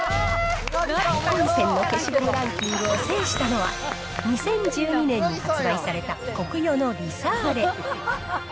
大混戦の消しゴムランキングを制したのは、２０１２年に発売されたコクヨのリサーレ。